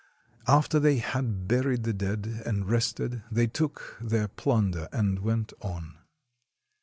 After they had buried the dead and rested, they took their plunder and went on.